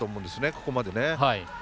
ここまでね。